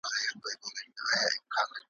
لعل په ایرو کي نه ورکېږي `